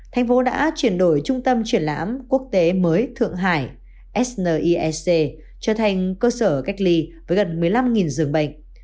thành phố đã chuyển đổi trung tâm triển lãm quốc tế mới thượng hải sniec trở thành cơ sở cách ly với gần một mươi năm dường bệnh